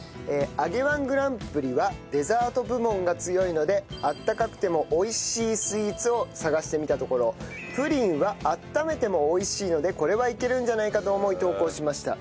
揚げ−１グランプリはデザート部門が強いのであったかくても美味しいスイーツを探してみたところプリンはあっためても美味しいのでこれはいけるんじゃないかと思い投稿しました。